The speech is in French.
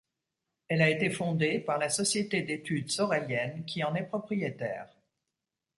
Elle a été fondée par la Société d'études soréliennes qui en est propriétaire.